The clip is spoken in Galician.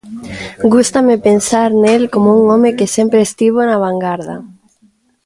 Gústame pensar nel como un home que sempre estivo na vangarda.